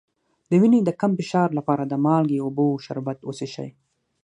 د وینې د کم فشار لپاره د مالګې او اوبو شربت وڅښئ